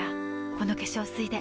この化粧水で